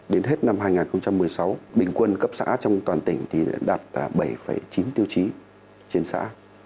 đến hết năm hai nghìn một mươi sáu bình quân cấp xã trong toàn tỉnh thì đã đạt bảy chín tiêu chí trên xã